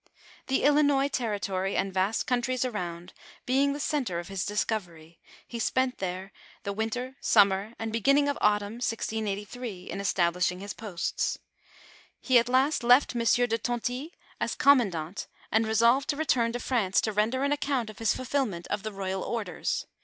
The IHnois territory, and vast countries around, being the centre of his discovery, he spent there the winter, summer, atid beginning of autumn, 1683, in establishing his posts. He at last left Monsieur de Tonty, as commandant and resolved to return to France to render an account of his fulfilment of the royal orders.